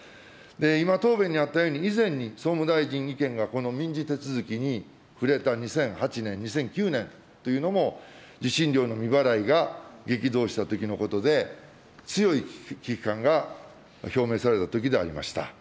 今、答弁にあったように、以前に総務大臣意見がこの民事手続きに触れた２００８年、２００９年というのも、受信料の未払いが激増したときのことで、強い危機感が表明されたときでありました。